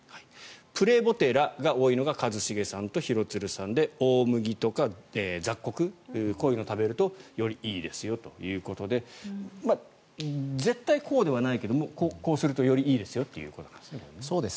プレボテラが多いのが一茂さんと廣津留さんで大麦とか雑穀こういうのを食べるとよりいいですよということで絶対にこうではないけどこうするとよりいいですよということなんですね。